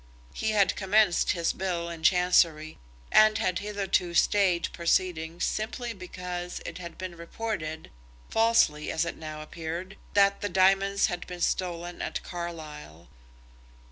He had commenced his bill in Chancery, and had hitherto stayed proceedings simply because it had been reported, falsely, as it now appeared, that the diamonds had been stolen at Carlisle.